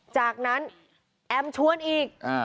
จากนั้นแอมชวนอีก